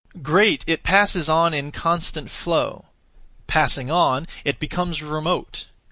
Great, it passes on (in constant flow). Passing on, it becomes remote.